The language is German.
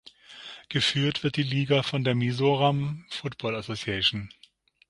Geführt wird die Liga von der Mizoram Football Association.